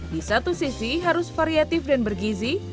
di satu sisi harus variatif dan bergizi